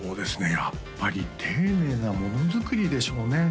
やっぱり丁寧な物作りでしょうね